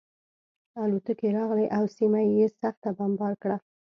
الوتکې راغلې او سیمه یې سخته بمبار کړه